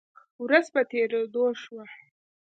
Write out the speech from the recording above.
ورځ په تیریدو شوه